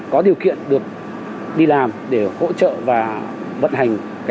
có điều kiện được đi làm để hỗ trợ và vận hành hệ thống dịch vụ